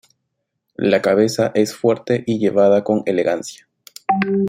La cabeza es fuerte y llevada con elegancia.